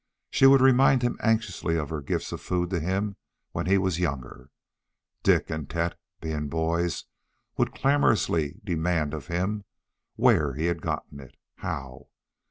She would remind him anxiously of her gifts of food to him when he was younger. Dik and Tet being boys would clamorously demand of him where he'd gotten it. How?